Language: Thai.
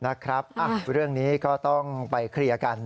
นะครับเรื่องนี้ก็ต้องไปเคลียร์กัน